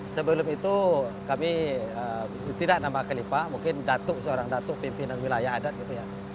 sebelum itu kami tidak nama kalipa mungkin datuk seorang datuk pimpinan wilayah adat gitu ya